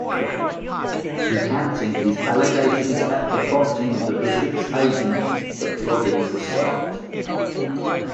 Recanting his allegations at the prompting of the bishop's agent, the floggings were stopped.